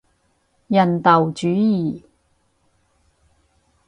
人道主義